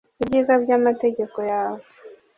ibyiza by'amategeko yawe